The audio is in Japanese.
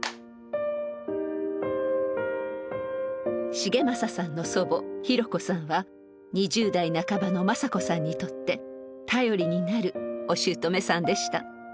繁正さんの祖母博子さんは２０代半ばの政子さんにとって頼りになるおしゅうとめさんでした。